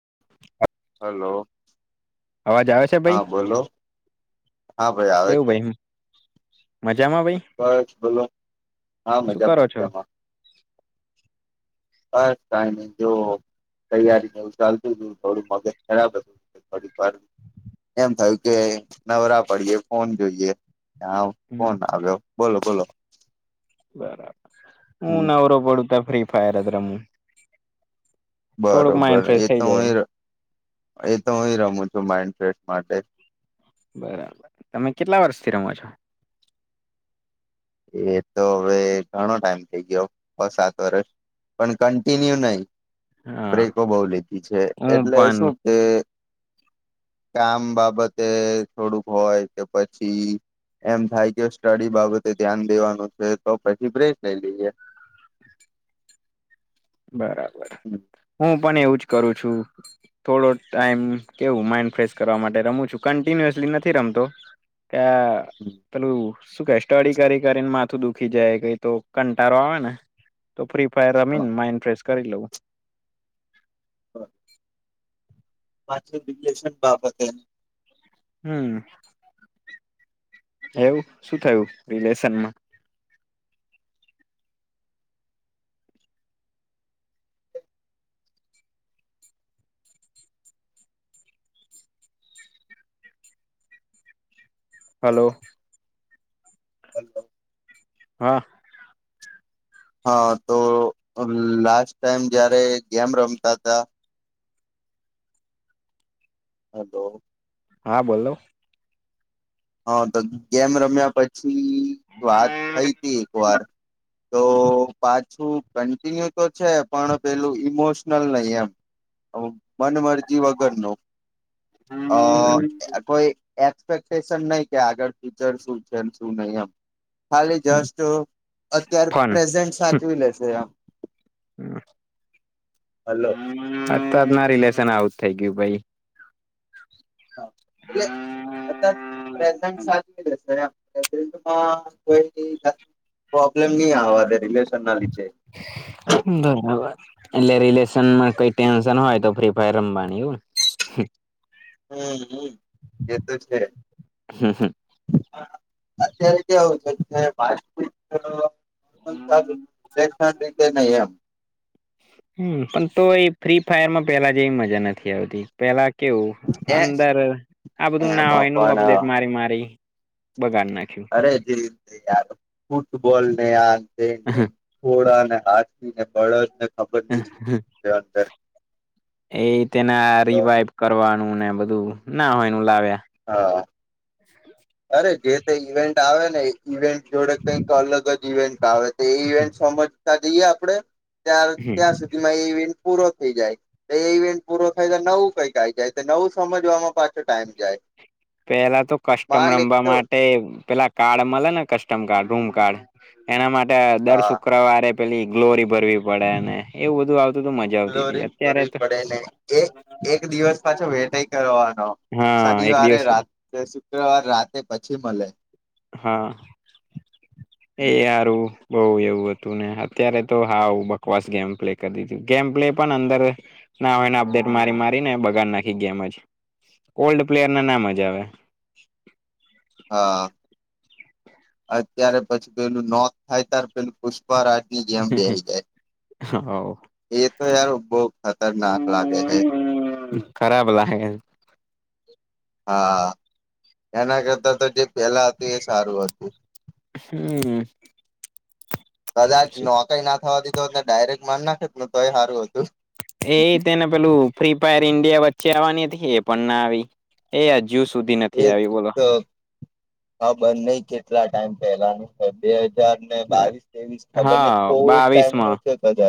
[inaudible] Hello અવાજ આવે છે હા ભાઈ બોલો હા ભાઈ આવે કેવું છે ભાઈ મજામાં ભાઈ બસ બોલો હા શું કરો મજામાં છો મજામાં બ ટાઈમ જો તૈયારીને એવું ચાલતું હતું થોડું મગજ ખરાબ હતું થોડીક વાર એમ થયું કે નવરા પડીએ ફોન જોઈએ ત્યા હમ કોણ આવ્યો બોલો બોલો બરાબર હમ નરો બડતા ફ્રી ફાયર અ રમ બરોબર એતો હુંય એ તો હુંય રમું છું માઈન્ડ ફેશ માટે બરાબર તમે કેટલા વર્ષથી રમો છો એ તો હવે ઘણો ટાઈમ થઇ ગયો બ સાત વરષ પણ કન્ટિન્યુ નહી હા બ્રેકો બઉ લીધી છે હું એટલે પણ શું કે કામ બાબતે થોડુંક હોય કે પછી એમ થાય કે સ્ટડી બાબતે ધ્યાન દેવાનું છે તો પછી બ્રેસ લઈ લઈએ બરાબર હું પણ એવું થોડો ટ કે માડ કરવા માટે રમ છું કિન્યુસલી નથી રમતો કે તલું શું કે સ્ટડી કરી કરીને માથું દુખી જાય કઈ તો કંટારો આવે ને તો ફ્રી પરામીન માઇન્ટ નમસ્કાર લવું માછ રગલેશન બાપતને હમ એવું શું થયું રિલેશનમાં હલો હા હા તો લાસ્ટ ટાઈમ જયારે ગેમ રમતા હતા હ તો હા બોલો હા તો ગેમ રમ્યા પછી વાત થઈ હતી એક વાર તો પાછું કન્ટિન્યુ તો છે પણ પેલું ઈમોશનલ નહી એમ મન મરજી વગર ન અ કોઈ પ નહી કે આગળ ફચર શું છે શું નહીિ એમ ખાલી જસ્ટ અત્યારે પ્રેઝન્ટ સાચવી લેશે આમ હલો અ જ ના રિલેશન આવુંજ થઈ ગય કેું ભાઈ હા એટલે અ પ્રેઝન્ટશે કો પ્રોબલેમ નહી આ ર બરાબર એટલે રિલેશનમાં કઈ ટેન્શન હોય તો ફ્રી ફાયર રમવાની એવુંને [inaudible] હમ એ તો છે અત્યારે કેવું છે હમ વિલેક્ષણ રીતે નહી એમ પણ તો એ ફ્રી ફાયરમાં પેલા જેવી મજા નથી આવતી પેલા કેવું એ અંદર આ બધું ના એમાં હોય ન પણ અપડેટ મારી મારી બગાડ નાખ્યું અરે જે રીતે યાર ફૂટબોલ [inaudible] તેને ખોળાને હાથવીને બળદ ને ખબર નહી અંદર એ તેના તો રિવાઈવ કરવાનું ને બધું ના હોયનું લાવે હા અરે જે તે ઇવેન્ટ આવે ને ઇવેન્ટ જોડે કંઈક અલગ જ ઇવેન્ટ તવે તો એ ઇવેન્ટ સમય ત આપડે તાર હમ ત્યાં સુધીમાં ઇ પૂરો થઈ જાય તો એ ઇવેન્ટ પૂરો થાય તો નવું કઈક આ જાય તો નવું સમજવામાં પાછો ટાઈમ જાય પેલા તો કસ્ટમ માંડ એક રમવા તો માટે પેલા કાર્ડ મળે ને કસ્ટમ કાર્ડ રૂમ કાર્ડ એના માટે દર હા શુક્રવારે પેલી ગ્લોરી ભરવી પડે ને એવું બધું આવ રી કરરવી પડે ને એ એક દિવસ પાછો વેટઈ કરવાનો હા એક શનિવારે દિવસ રાતે શુક્રવારે રાતે પછી મળે હા એયારું બઉ એવું હતું ને અત્યારે તો હા બકવાસ ગેમ પ્લે કરી દીધ ગેમ પ્લે પણ અંદર ના હોયને અપડેટ મારી મારીને બગાડ નાખી ગેમ જ ઓલ્ડ પ્લેયર ના નામ જ આવે હા અત્યારે પછી પેલું નોક થાય ત્યારે પેલું પુ વાર આદમી જેમ બેઈ જાય [inaudible] એ તો યાર બહુ ખતરનાક લાગે છે ખરાબ લાગ હા એના કરતા તો પેલા હતું એ સારું હતું હમ કદાચ નોકઈ ના થવા દીધોને ડાયરેક્ટ મનને ું તો સારું હતું એ તેને પેલું ફ્રી ફાયર ઇન્ડિયા વચ્ચે આવવાની હતી એ પણ ના આવી એ જ્યુ સુધી નથી આવી બોલો હ હા બં નઈ કેટલા ટાઈમ પેલાનું બે હજાર ને બાવીસ ત્રેવીસ ખબર ને હા કોવિડ બાવીસ ટાઈમ માં ન છે કજ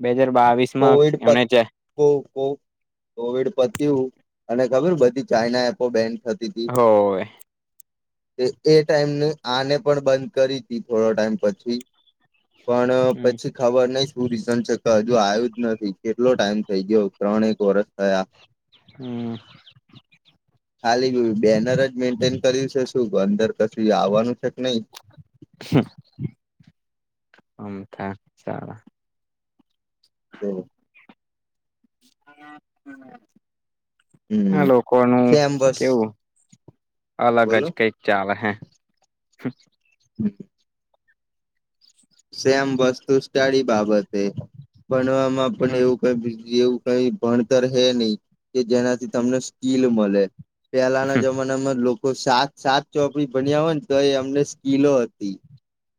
બે હાજર બાવીસ માં કોવિડ પ એમને ચ કો કોવિડ પતું અને ખબર બધી ચાાઈના એપો બેન થતી હતી હો તે એ ટાઈમને આને પણ બંધ કરી હતીી થોડો ટાઈમ પછી પણ પછી ખબર નહ શું રીઝન છે કે હજુ આવ્યું જ નથી કેટલો ટાઈમ થઈ ગયો ત્રણ એક વરષ થયા હમ ખાલી બેનર જ મેન્ટેન શું અંદર તોછી આવવાનું છે કે નહી [inaudible] હમ [inaudible] હા હમ લોકો નું સેમ બસ કેવું અલગ જ બોલો કઈક ચાલે હે [inaudible] [inaudible] સેમ વસ્તુ સ્ટડી બાબત બનવામાં પણ હમ એવું કઈ એવું કઈ ભણ ર હે નહી કે જેનાથી તમને સ્કીલ મળે પહેલાના જમાનામાં કો સાત સાત ચોપડી બન્યા હોય ને તો એ અમને સ્કીલો હતી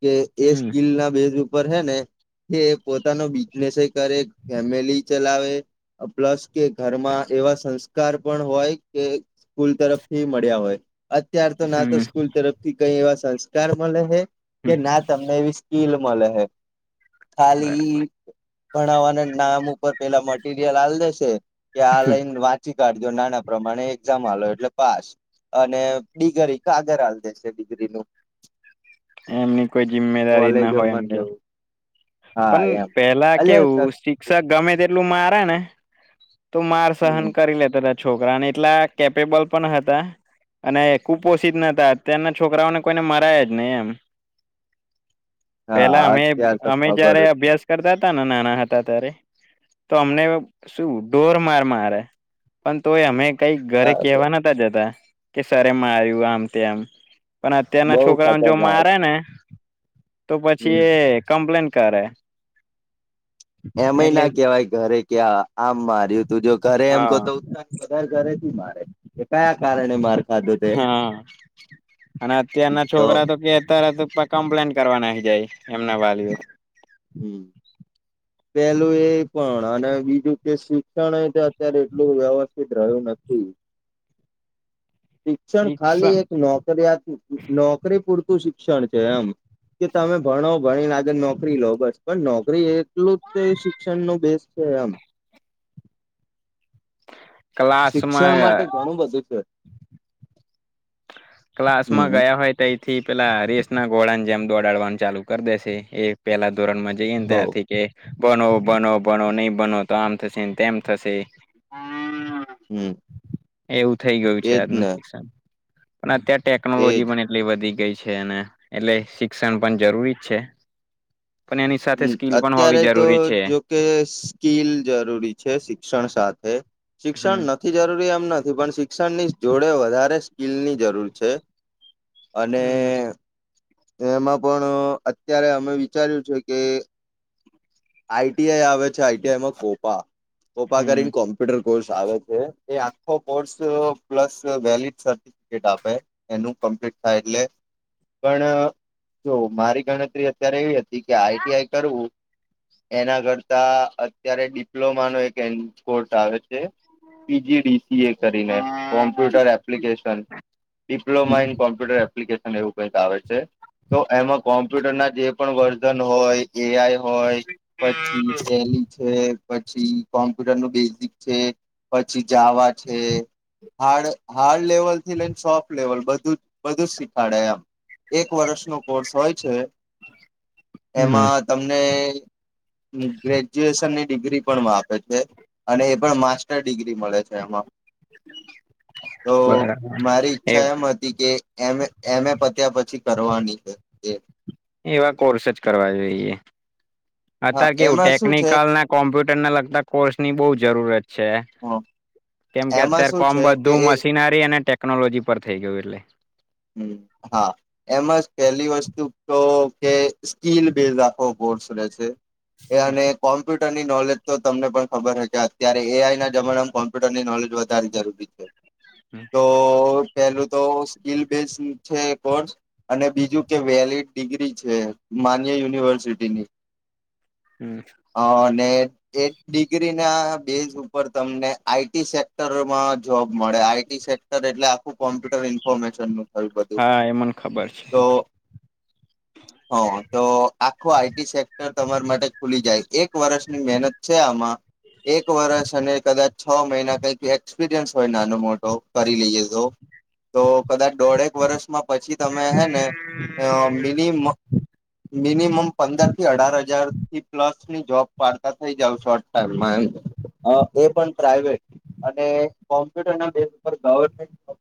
કે એ હમ બેઝ ઉપર હે ને કે પોતાનો બિઝનેસ કરે ફેમલી ચલાવે પ્લસ કે ઘરમાં એવા સંસ્કાર પણ હોય કે સ્કૂલ તરફથી મળ્યા હોય અત્યાર તો ના તો હમ સ્કૂલ તરફથી કઈ એવા સંસ્કાર મળ હ કે ના તમને એવી શલ માલા હૈ ખાલી ભણાવવાના નામ ઉપર પેલા મળ ીડિયા લાલ દશે કે આ લઈને વાંચી કાઢજો નાના પ્રમાણે એક્ઝામ એટલે પાસ અને ડિગરી કાગર હાલ દેશે ડિગ્રીનું એમની કોઈ જિમ્મેદારી ના હોય એમ કોલેજોમાં ને કે એવું હા પણ એમ પેલા અલ્યા કેવું શિક્ષક ગમે તેટલું મારે ને [inaudible] તું માર સહન હમ કરી લે ત છોકરાને એટલા કેપેબલ પણ હતા અને કુપોષિત નતા અત્યારના છોકરાઓને કોઈને મરાયા જ નહી એમ હાાત્યાાર મે જયારે અભ્યાસ કરતા હતા નાના હતા ત્યારે તો અમને શું ઢોર માર મારે પણ તોય અમે કઈક ઘરે નહી કેવા નતા જતા કે સર માર્યું આમ તે આમ પણ બઉ અત્યારના છોકરાઓને જો ખતરનાક મારે ને તો હમ પછી કમપ્લે કરે એમય એટલે ના કેવાય ઘરે કે આમમાં તું જો ઘરે એમ કોહ હા તો ઉત્સાહ વધારે ઘરે થી મારે એ કયા કારણે માર્ હા અને અત્યારના છોકરા તો કેતા કમ્પ્લેન કરવા ના જાય એમના વાલીઓ હમ પેલું એ પણ અને બીજું કે શિક્ષણ એ અત્યારે એટલું વ્યવસ્થિત રહ્યું નથી શિક્ષણ ખાલી એક નોકરીિયાત નોકરી પૂરતું શષણ છે એમ કે તમે ભણો ભણી નાખે નોકરી લો બસ પણ નોકરી એટલું જ શિક્ષણ ન બેસ છે એમ શિક્ષણ ક્લાસમાં માટે ઘણું બધું છે ક્લાસ માં હમ ગયા હોય તો થી પેલા રેસ ના ઘોળ જેમ દોડાડવાનું ચાલુ કરી દેશે એ પેલા ધોરણ માં જઈ ને હોવ ત્યારથી કે ભનો બનો ભણ નહી બનો તો આમ થશે તેમ થશે હમ એવું થઇ ગયું છે એજ આજનું ને શિક્ષણ પણ અત્યારે એજ ટેકનોલોજી પણ એટલી વધી ગઈ છે છે અને એટલે શિક્ષણ પણ જરૂરી જ છે પણ એની સાથે હમ સ્કીલ પણ અત્યારે હોવી તો જરૂરી છે જોકે સ્કીલ જરૂરી છે શિક્ષણ સાથે શિક્ષણ હમ નથી જરૂરી એમ નથી પણ શિક્ષણની જોડે વધારે સ્કીિલની જરૂર છે અને હમ એમાં પણ અત્યારે અમે વિચાર્યું છે કે આઈટીઆઈ આવે છે આઈટીઆઈમાં કોોપા ઓ પાા કરીન હમ કોમ્પ્યુટર કોર્સ આવે છે એ આખો કોર્સ પ્લસ વેલીડ સર્ટફિકેટ આપે એનું કમ્પ્લીટ થાય એટલે પણ જો મારી ગણતરી અત્યારે એવી હતી કે આઈટીઆઈ કરવું એના કરતા અત્યારે ડિપ્લોમા નો એક કોર્સ આવે છે પીજીડી કરીને computer application diploma in computer application એવું કઈક આવે છે તો એમાં કો કોમ્પ્યુટરના જે પણ વર્ઝન હોય એ આઈ હોય પછી સેલી છે પછી કોમ્પ્યુટર ન બેઝિક છે પછી જાવા છે હાર્ડ હાર્ડ લેવલ થી લઈને સોફ્ટ લેવલ બું બધું જ શીખાડે એમ એક એક વર્ષનો કોર્સ હોય છે હમ એમાં ત ગ્રેજ્યુએશનની ડિગ્રી પણે છે અને એ પણ માસ્ટર ડિગ્રી મળે છે એમાં તો બરાબર મારી ઈચ્છા એમ હતી કે એ એમ પત્યા પછી પછી કરવાની છે જી એવા કોર્સ જ કરવા જોઈએ હા અત્યારે કેવું એમાં શું છે ટેકનિકલ ના કોમ્પ્યુટર ને લગતા કોર્સની બહુ જરૂરત છે છે કેમ કે એમાં અત્યારે શું કોમ છે કે બધું એ મશીનરી ને ટેકનોલોજી પર થઈ ગયું એટલે હ હા એમાંજ પેલી વસ્તુ તો કે સ્કીલ બેઝ આખો કોર્સ ર છે એ અને કોમ કોમ્પ્યુટરની નોલેજ તો તમને પણ ખબર હોય કે અત્યારે એ આઈ ના જમાનામાં કોમ્પ્યુટરની નોલેજ વધારે જરૂરી છે. [inaudible] તોસ સ્કીલ બેઝ છે એ કોર્સ, અને બીજું કે વેલિડ ડિગ્રી છે માન્ય યુનિવર્સિટીની. હમ હા અને એ ડિગ્રી ના બેઝ ઉપર તમને આઈ ટી સેક્ટરમાં જોબ મળે. આઈ ટી સેક્ટર એટલે આખું કોમ્પ્યુટર ઇન્ફોર્મેશન નું થયું બધું. હા એ મને ખબર છે તો હહ તો આખું આઈ ટી સેક્ટર તમાર માટે ખુલી જાય. એક વર્ષની મહેનત છે આમાં, એક વર્ષ અને કદાચ છ મહિના કંઈક એક્સપિરિયન્સ હોય નાનો મોટો કરી લઈએ તો તો કદાચ દોઢેક વર્ષમાં પછી તમે હે ને અહ મિનિમમ-મિનિમમ પંદર થી અઢાર હજારથી પ્લસ ની જોબ પાળતા થઈ જાવ છો [unintelligible] એમ. અહ એ પણ પ્રાઈવેટ, અને કોમ્પ્યુટર ના બેઝ ઉપ ગવર્મેન્ટ [unintelligible]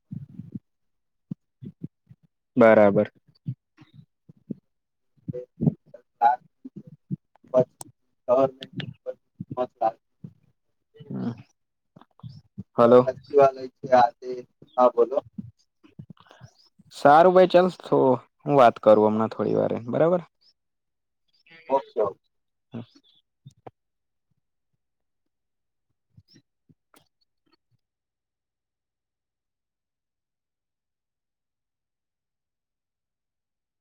બરાબર. આ [inaudible] હમ્મ. [inaudible] હા બોલો. સારું ભાઈ ચાલ તો હું વાત કરું હમણાં થોડી વારે બરાબર. ઓકે-ઓકે. [inaudible]